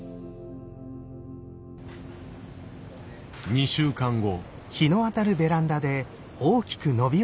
２週間後。